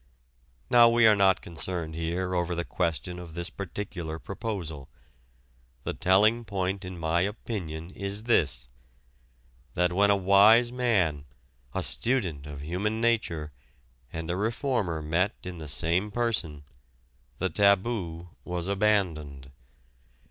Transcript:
Now we are not concerned here over the question of this particular proposal. The telling point in my opinion is this: that when a wise man, a student of human nature, and a reformer met in the same person, the taboo was abandoned.